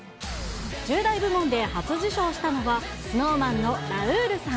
１０代部門で初受賞したのは、ＳｎｏｗＭａｎのラウールさん。